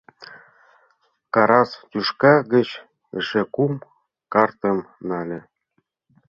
Карас тӱшка гыч эше кум картым нале.